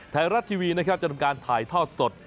ไทยรัฐทีวีนะครับจะทำการถ่ายทอดสด